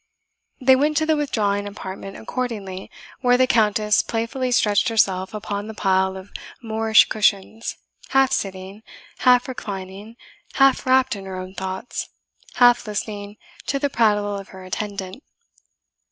They went to the withdrawing apartment accordingly, where the Countess playfully stretched herself upon the pile of Moorish cushions, half sitting, half reclining, half wrapt in her own thoughts, half listening to the prattle of her attendant.